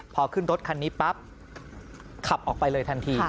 พอขึ้นรถคันนี้ปั๊บขับออกไปเลยทันที